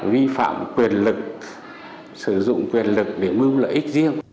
vi phạm quyền lực sử dụng quyền lực để mưu lợi ích riêng